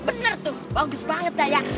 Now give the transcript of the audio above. bener tuh bagus banget dah ya